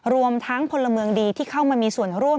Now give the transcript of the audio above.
รวมทั้งพลเมืองดีที่เข้ามามีส่วนร่วม